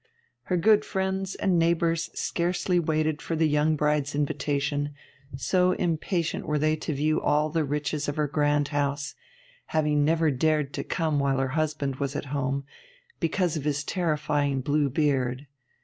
Her good friends and neighbours scarcely waited for the young bride's invitation, so impatient were they to view all the riches of her grand house, having never dared to come while her husband was at home, because of his terrifying blue beard.